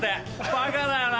バカだよな。